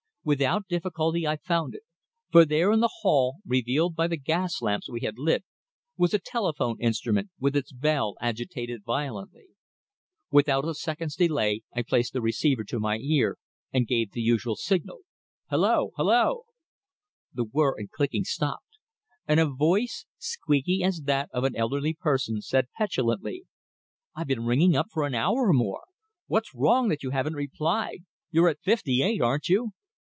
Without difficulty I found it, for there in the hall, revealed by the gas lamp we had lit, was a telephone instrument with its bell agitated violently. Without a second's delay I placed the receiver to my ear and gave the usual signal "Hulloa! Hulloa?" The whirr and clicking stopped, and a voice, squeaky as that of an elderly person, said petulantly "I've been ringing up for an hour or more. What's wrong that you haven't replied? You're at fifty eight, aren't you?"